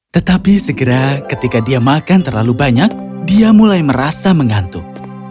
tetapi segera ketika dia makan terlalu banyak dia mulai merasa mengantuk